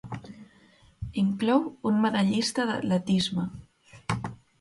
Inclou un medallista d'atletisme.